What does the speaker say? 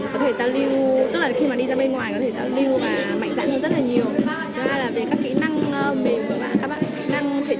có thể giao lưu tức là khi mà đi ra bên ngoài có thể giao lưu và mạnh dạng hơn rất là nhiều